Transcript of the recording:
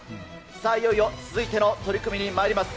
いよいよ続いての取組にまいります。